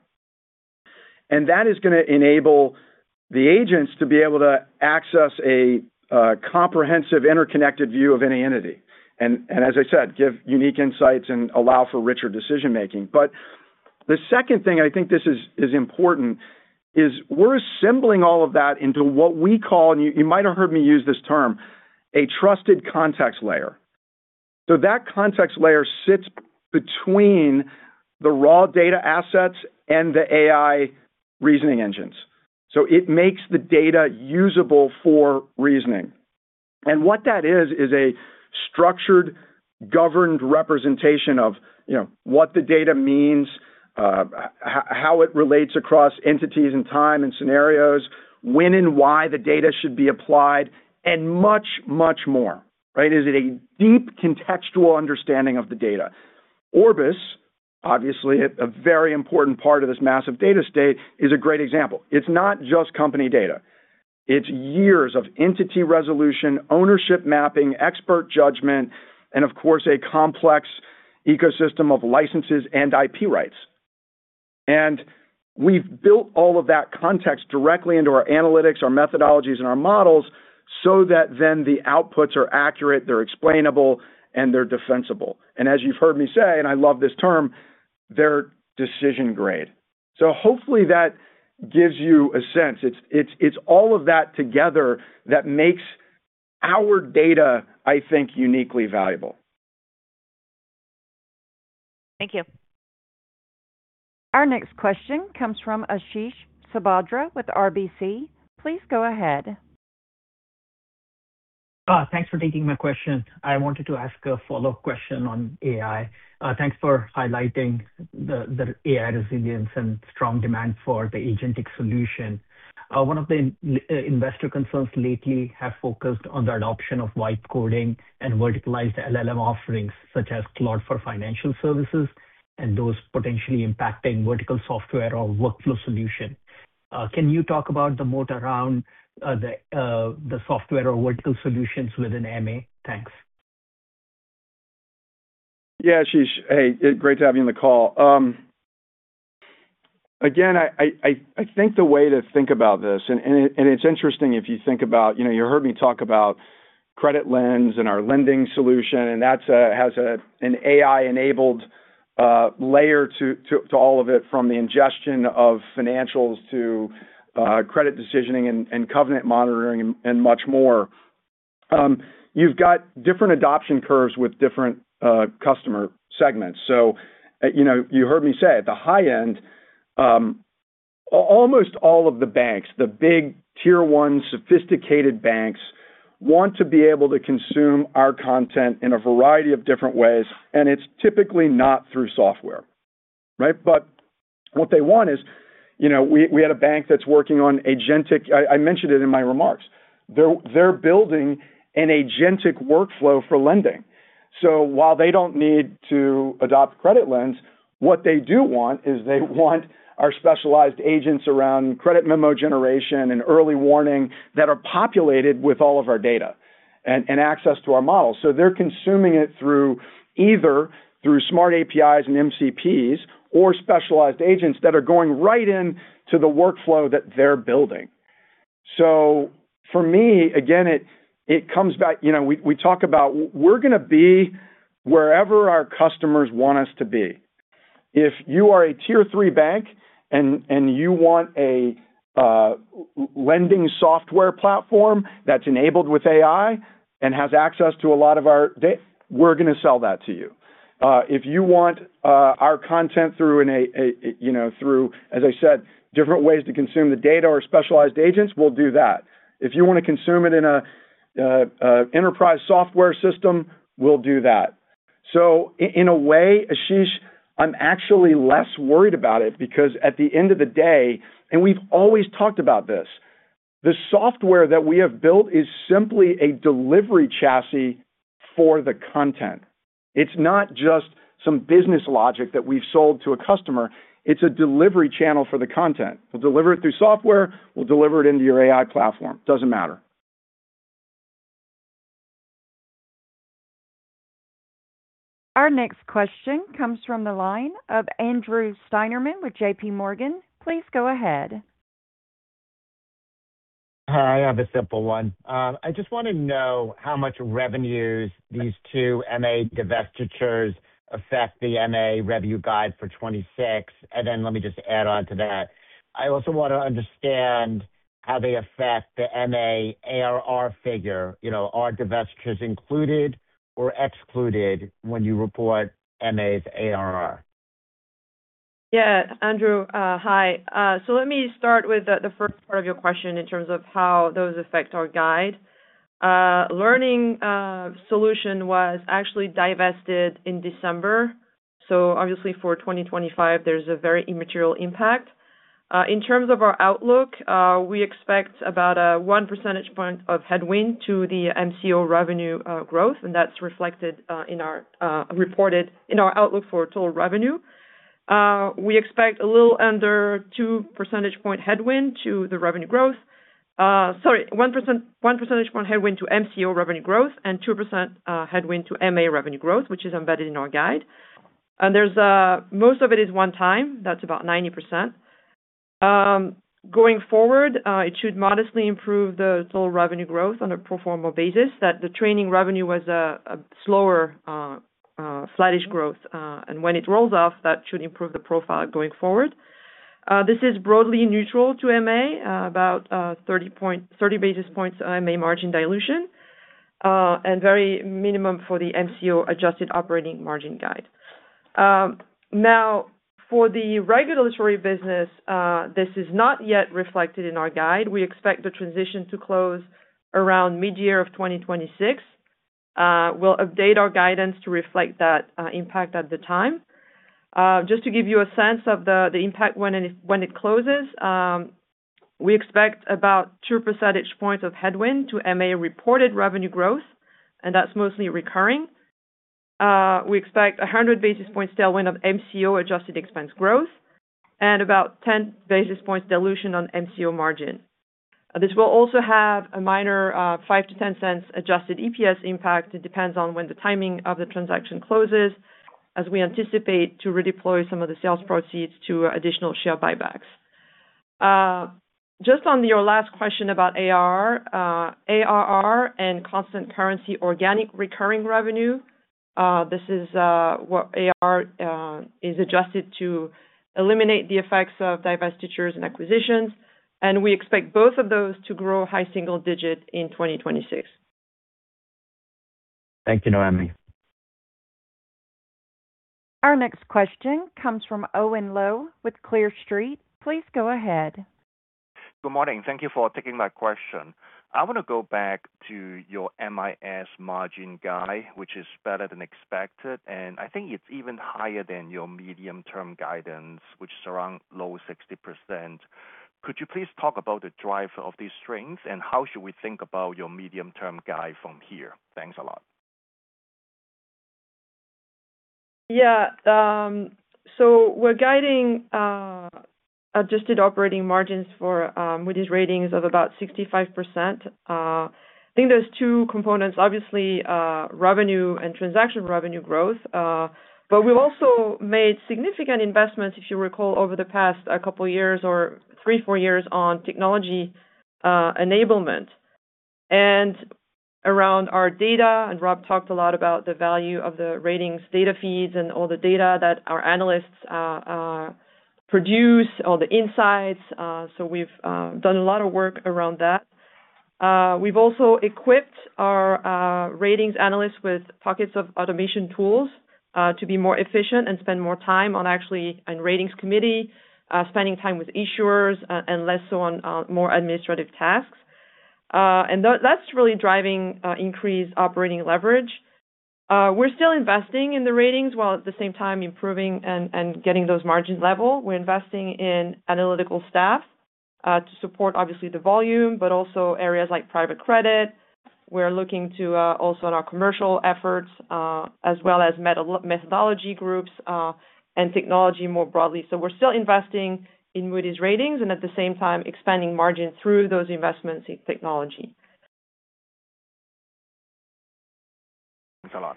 That is going to enable the agents to be able to access a comprehensive, interconnected view of any entity, and, and as I said, give unique insights and allow for richer decision-making. But the second thing, I think this is important, is we're assembling all of that into what we call, and you, you might have heard me use this term, a trusted context layer. So that context layer sits between the raw data assets and the AI reasoning engines, so it makes the data usable for reasoning. And what that is, is a structured, governed representation of, you know, what the data means, how it relates across entities and time and scenarios, when and why the data should be applied, and much, much more, right? It is a deep contextual understanding of the data. Orbis, obviously, a very important part of this massive data estate, is a great example. It's not just company data. It's years of entity resolution, ownership mapping, expert judgment, and of course, a complex ecosystem of licenses and IP rights. And we've built all of that context directly into our analytics, our methodologies, and our models, so that then the outputs are accurate, they're explainable, and they're defensible. And as you've heard me say, and I love this term, they're decision-grade. So hopefully that gives you a sense. It's all of that together that makes our data, I think, uniquely valuable. Thank you. Our next question comes from Ashish Sabadra with RBC. Please go ahead. Thanks for taking my question. I wanted to ask a follow-up question on AI. Thanks for highlighting the, the AI resilience and strong demand for the agentic solution. One of the, investor concerns lately have focused on the adoption of writing code and verticalized LLM offerings, such as Claude for Financial Services and those potentially impacting vertical software or workflow solution. Can you talk about the moat around, the, the software or vertical solutions within MA? Thanks. Yeah, Ashish. Hey, great to have you on the call. I think the way to think about this, and it's interesting if you think about, you know, you heard me talk about CreditLens and our lending solution, and that's a— has an AI-enabled layer to all of it, from the ingestion of financials to credit decisioning and covenant monitoring and much more. You’ve got different adoption curves with different customer segments. You know, you heard me say, at the high end, almost all of the banks, the big Tier 1s sophisticated banks, want to be able to consume our content in a variety of different ways, and it's typically not through software. Right? What they want is, you know, we had a bank that's working on agentic. I mentioned it in my remarks. They're building an agentic workflow for lending. So while they don't need to adopt CreditLens, what they do want is they want our specialized agents around credit memo generation and early warning that are populated with all of our data and access to our model. So they're consuming it through either through Smart APIs and MCPs or specialized agents that are going right into the workflow that they're building. So for me, again, it comes back, you know, we talk about we're going to be wherever our customers want us to be. If you are a Tier 3 bank and you want a lending software platform that's enabled with AI and has access to a lot of our data, we're going to sell that to you. If you want our content through an AI, you know, through, as I said, different ways to consume the data or specialized agents, we'll do that. If you want to consume it in an enterprise software system, we'll do that. So in a way, Ashish, I'm actually less worried about it, because at the end of the day, and we've always talked about this, the software that we have built is simply a delivery chassis for the content. It's not just some business logic that we've sold to a customer. It's a delivery channel for the content. We'll deliver it through software. We'll deliver it into your AI platform. Doesn't matter. Our next question comes from the line of Andrew Steinerman with J.P. Morgan. Please go ahead. Hi, I have a simple one. I just want to know how much revenues these two MA divestitures affect the MA revenue guide for 2026. And then let me just add on to that. I also want to understand how they affect the MA ARR figure. You know, are divestitures included or excluded when you report MA's ARR? Yeah, Andrew, Hi. Let me start with the first part of your question in terms of how those affect our guide. Learning Solutions was actually divested in December. Obviously for 2025, there's a very immaterial impact. In terms of our outlook, we expect about a one percentage point headwind to the MCO revenue growth, and that's reflected in our reported outlook for total revenue. We expect a little under two percentage point headwind to the revenue growth. Sorry, one percentage point headwind to MCO revenue growth and two percentage points headwind to MA revenue growth, which is embedded in our guide. Most of it is one time, that's about 90%. Going forward, it should modestly improve the total revenue growth on a pro forma basis, that the training revenue was a slower, flattish growth, and when it rolls off, that should improve the profile going forward. This is broadly neutral to MA, about 30 basis points on MA margin dilution, and very minimum for the MCO adjusted operating margin guide. Now, for the regulatory business, this is not yet reflected in our guide. We expect the transition to close around mid-year of 2026. We'll update our guidance to reflect that impact at the time. Just to give you a sense of the impact when it closes, we expect about two percentage points of headwind to MA reported revenue growth, and that's mostly recurring. We expect 100 basis points tailwind of MCO adjusted expense growth and about 10 basis points dilution on MCO margin. This will also have a minor, $0.05-$0.10 adjusted EPS impact. It depends on when the timing of the transaction closes, as we anticipate to redeploy some of the sales proceeds to additional share buybacks. Just on your last question about AR, ARR and constant currency organic recurring revenue, this is what AR is adjusted to eliminate the effects of divestitures and acquisitions, and we expect both of those to grow high single digit in 2026. Thank you, Noémie. Our next question comes from Owen Lau with Clear Street. Please go ahead. Good morning. Thank you for taking my question. I want to go back to your MIS margin guide, which is better than expected, and I think it's even higher than your medium-term guidance, which is around low 60%. Could you please talk about the driver of these strengths, and how should we think about your medium-term guide from here? Thanks a lot. Yeah, so we're guiding adjusted operating margins for with these ratings of about 65%. I think there's two components, obviously, revenue and transaction revenue growth, but we've also made significant investments, if you recall, over the past couple of years or three, four years on technology enablement. And around our data, and Rob talked a lot about the value of the ratings data feeds and all the data that our analysts produce, all the insights. So we've done a lot of work around that. We've also equipped our ratings analysts with pockets of automation tools to be more efficient and spend more time on actually on ratings committee, spending time with issuers and less so on more administrative tasks. And that's really driving increased operating leverage. We're still investing in the ratings while at the same time improving and getting those margins level. We're investing in analytical staff to support, obviously, the volume, but also areas like private credit. We're looking to also on our commercial efforts as well as meta-methodology groups and technology more broadly. So we're still investing in Moody's Ratings and at the same time expanding margin through those investments in technology. Thanks a lot.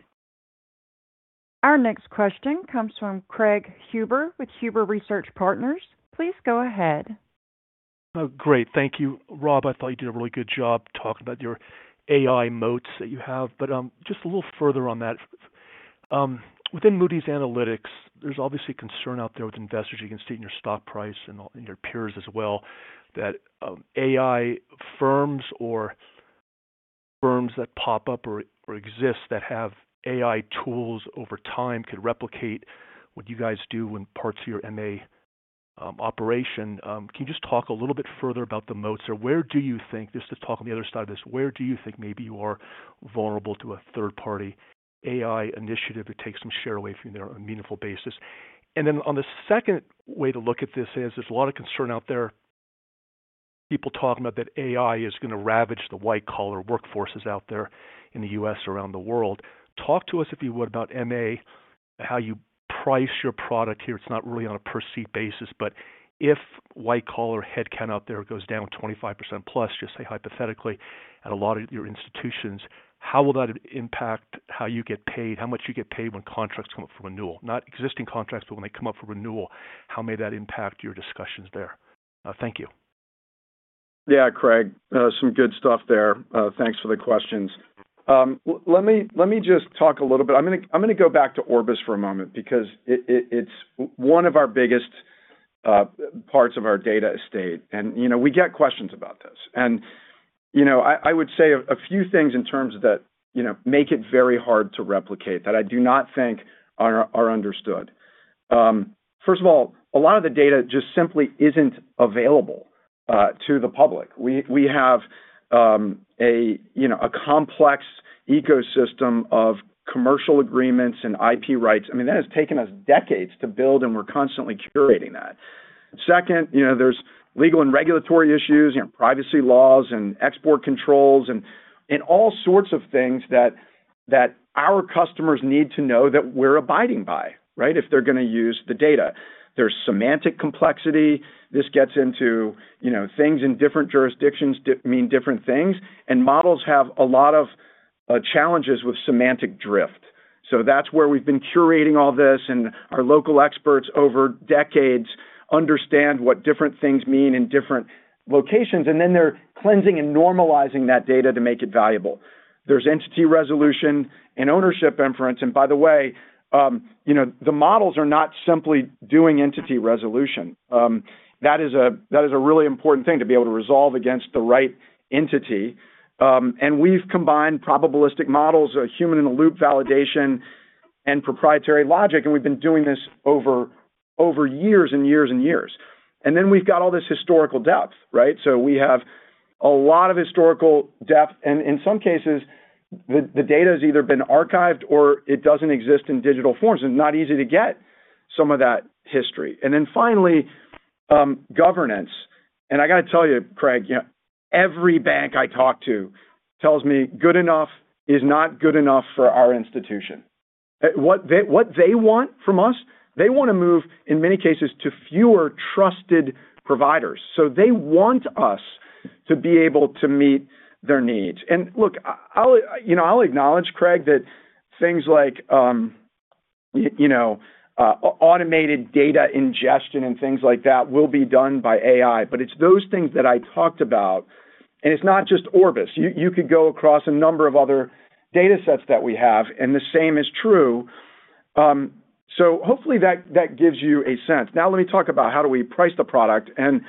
Our next question comes from Craig Huber with Huber Research Partners. Please go ahead. Oh, great. Thank you. Rob, I thought you did a really good job talking about your AI moats that you have, but just a little further on that. Within Moody's Analytics, there's obviously concern out there with investors. You can see it in your stock price and all in your peers as well, that AI firms or firms that pop up or exist that have AI tools over time could replicate what you guys do in parts of your MA operation. Can you just talk a little bit further about the moats or where do you think—Just to talk on the other side of this, where do you think maybe you are vulnerable to a third-party AI initiative that takes some share away from there on a meaningful basis? And then on the second way to look at this is, there's a lot of concern out there, people talking about that AI is going to ravage the white-collar workforces out there in the U.S. or around the world. Talk to us, if you would, about MA, how you price your product here. It's not really on a per seat basis, but if white-collar headcount out there goes down 25% plus, just say hypothetically, at a lot of your institutions, how will that impact how you get paid, how much you get paid when contracts come up for renewal? Not existing contracts, but when they come up for renewal, how may that impact your discussions there? Thank you. Yeah, Craig, some good stuff there. Thanks for the questions. Let me, let me just talk a little bit—I'm gonna go back to Orbis for a moment because it, it's one of our biggest parts of our data estate, and, you know, we get questions about this. And, you know, I would say a few things in terms of that, you know, make it very hard to replicate, that I do not think are understood. First of all, a lot of the data just simply isn't available to the public. We have a complex ecosystem of commercial agreements and IP rights. I mean, that has taken us decades to build, and we're constantly curating that. Second, you know, there's legal and regulatory issues, you know, privacy laws and export controls and all sorts of things that our customers need to know that we're abiding by, right? If they're gonna use the data. There's semantic complexity. This gets into, you know, things in different jurisdictions mean different things, and models have a lot of challenges with semantic drift. So that's where we've been curating all this, and our local experts over decades understand what different things mean in different locations, and then they're cleansing and normalizing that data to make it valuable. There's entity resolution and ownership inference, and by the way, you know, the models are not simply doing entity resolution. That is a really important thing, to be able to resolve against the right entity. And we've combined probabilistic models, human-in-the-loop validation, and proprietary logic, and we've been doing this over years and years and years. And then we've got all this historical depth, right? So we have a lot of historical depth, and in some cases, the data has either been archived or it doesn't exist in digital form, so it's not easy to get some of that history. And then finally, governance. And I gotta tell you, Craig, you know, every bank I talk to tells me, "Good enough is not good enough for our institution." What they want from us, they want to move, in many cases, to fewer trusted providers. So they want us to be able to meet their needs. And look, I'll, you know, I'll acknowledge, Craig, that things like, you know, automated data ingestion and things like that will be done by AI, but it's those things that I talked about, and it's not just Orbis. You, you could go across a number of other data sets that we have, and the same is true. So hopefully that, that gives you a sense. Now, let me talk about how do we price the product, and,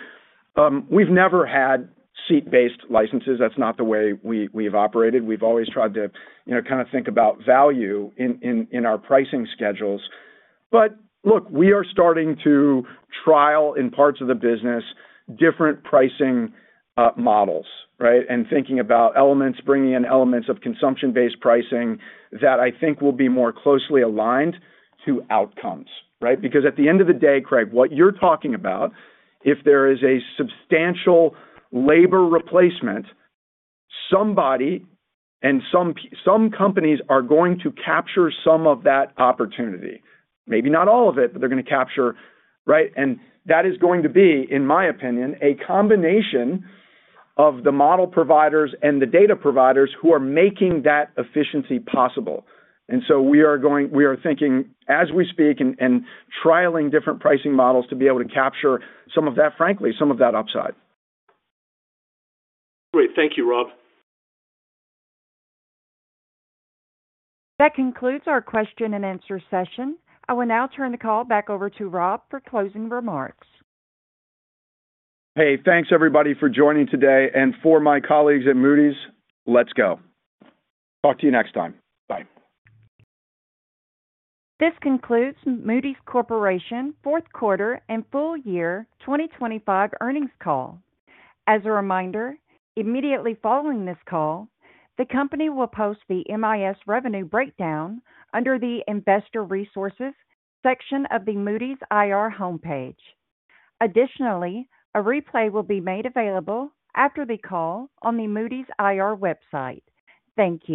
we've never had seat-based licenses. That's not the way we, we've operated. We've always tried to, you know, kind of think about value in, in, in our pricing schedules. But look, we are starting to trial in parts of the business, different pricing, models, right? And thinking about elements, bringing in elements of consumption-based pricing that I think will be more closely aligned to outcomes, right? Because at the end of the day, Craig, what you're talking about, if there is a substantial labor replacement, somebody and some companies are going to capture some of that opportunity. Maybe not all of it, but they're gonna capture, right? And that is going to be, in my opinion, a combination of the model providers and the data providers who are making that efficiency possible. And so we are thinking as we speak and trialing different pricing models to be able to capture some of that, frankly, some of that upside. Great. Thank you, Rob. That concludes our question and answer session. I will now turn the call back over to Rob for closing remarks. Hey, thanks, everybody, for joining today, and for my colleagues at Moody's, let's go. Talk to you next time. Bye. This concludes Moody's Corporation Fourth Quarter and Full Year 2025 Earnings Call. As a reminder, immediately following this call, the company will post the MIS revenue breakdown under the Investor Resources section of the Moody's IR homepage. Additionally, a replay will be made available after the call on the Moody's IR website. Thank you.